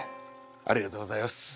ありがとうございます。